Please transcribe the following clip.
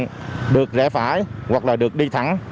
các phương tiện được rẽ phải hoặc là được đi thẳng